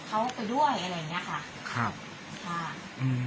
ที่เราสั่งไปเขาว่าก็เห็นคนอื่นสั่งกับเขาไปด้วย